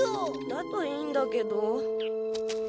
だといいんだけど。